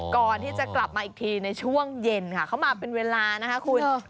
ก่อนที่จะกลับมาอีกทีในช่วงเย็นค่ะเขามาเป็นเวลานะคะคุณ